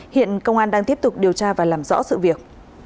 hiện công an đang tiếp tục điều tra và làm rõ sự việc